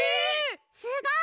すごい！